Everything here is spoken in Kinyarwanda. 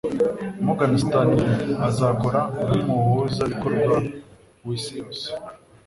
Morgan Stanley azakora nkumuhuzabikorwa wisi yose